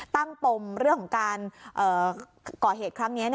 ปมเรื่องของการก่อเหตุครั้งนี้